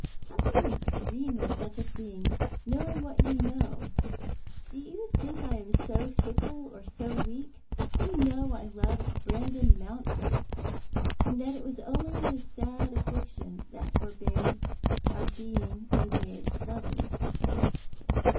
" How can you dream of such a thing, knowing what you know ? Do you think I am so fickle or so weak? You know I loved Brandon Mountford, and that it was only his sad afiiictiou that forbade our being engaged lovers."